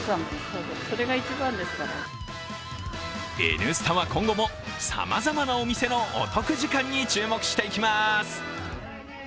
「Ｎスタ」は今後もさまざまなお店のお得時間に注目していきます。